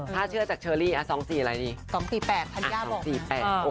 ถ้าเชื่อจากเชอรี่๒๔อะไรดี๒๔๘ธัญญาบอก